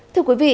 thưa quý vị